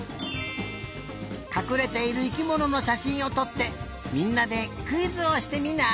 かくれている生きもののしゃしんをとってみんなでクイズをしてみない？